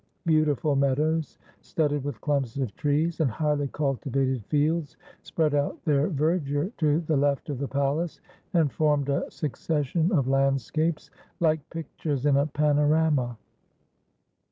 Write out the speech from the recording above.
Beautiful meadows, studded with clumps of trees, and highly cultivated fields, spread out their verdure to the left of the palace, and formed a succession of landscapes, like pictures in a panorama.